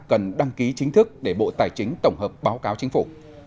cần đăng ký chính thức để bộ tài chính tổng hợp báo cáo chính phủ